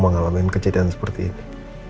mengalami kejadian seperti ini